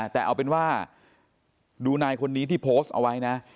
แต่เอาเป็นว่าดูนายคนนี้ที่โพสต์เอาไว้นะ